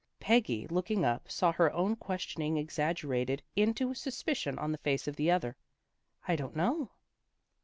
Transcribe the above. Peggy, looking up, saw her own questioning exaggerated into suspicion on the face of the other. " I don't know."